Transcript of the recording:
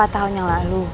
empat tahun yang lalu